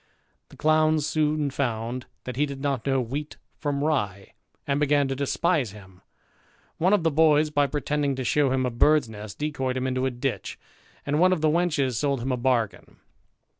The clowns soon found that he did not know wheat from rye, and began to despise him ; one of the boys, by pretending to shew him a bird's nest, decoyed him into a ditch ; and one of the wenches sold him a bargain.